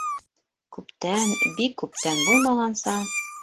Күптән, бик күптән булмағанса...